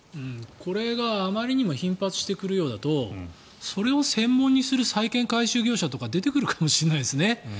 これがあまりにも頻発してくるようだとこれを専門にする債権回収業者とかが出てくるかもしれないですね。